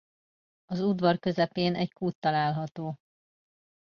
Az udvar közepén egy kút található.